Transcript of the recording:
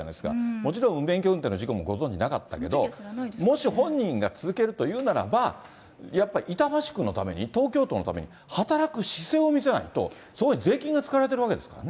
もちろん無免許運転の事故もご存じなかったけど、もし本人が続けるというならば、やっぱり板橋区のために、東京都のために、働く姿勢を見せないと、そこに税金が使われてるわけですからね。